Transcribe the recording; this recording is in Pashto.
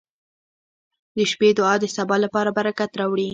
• د شپې دعا د سبا لپاره برکت راوړي.